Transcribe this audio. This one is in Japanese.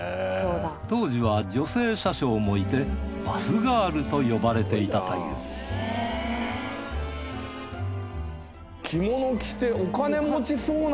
当時は女性車掌もいてバスガールと呼ばれていたという着物着てお金持ちそうな。